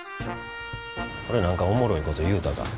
俺何かおもろいこと言うたか？